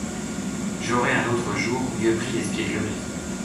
J’aurais un autre jour mieux pris l’espièglerie.